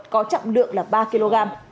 có chậm lượng là ba kg